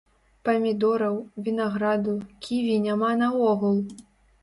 Памідораў, вінаграду, ківі няма наогул!